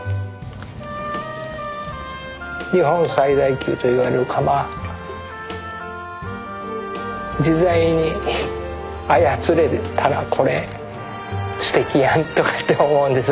日本最大級といわれる窯自在に操れたらこれすてきやんとかって思うんです